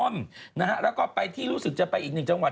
แล้วก็ไปที่รู้สึกจะไปอีกหนึ่งจังหวัด